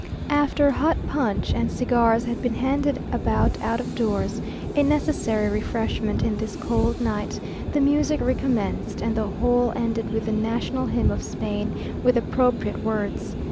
After hot punch and cigars had been handed about out of doors, a necessary refreshment in this cold night, the music recommenced, and the whole ended with the national hymn of Spain, with appropriate words.